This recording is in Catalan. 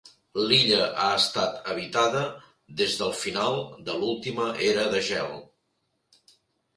L'illa ha estat habitada des del final de l'última era de gel.